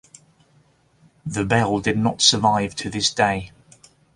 The bell did not survive to this day.